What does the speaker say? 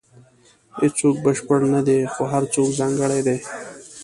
• هیڅوک بشپړ نه دی، خو هر څوک ځانګړی دی.